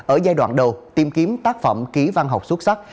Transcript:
ở giai đoạn đầu tìm kiếm tác phẩm ký văn học xuất sắc